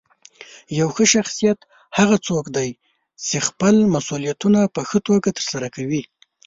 یو ښه شخصیت هغه څوک دی چې خپل مسؤلیتونه په ښه توګه ترسره کوي.